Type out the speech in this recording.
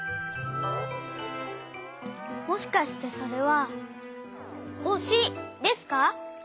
もしかしてそれはほしですか？